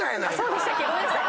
ごめんなさい。